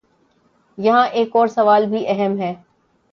یہاں ایک اور سوال بھی اہم ہے۔